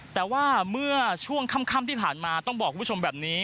แต่ว่าเมื่อช่วงค่ำที่ผ่านมาต้องบอกคุณผู้ชมแบบนี้